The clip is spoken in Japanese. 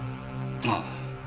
ああ。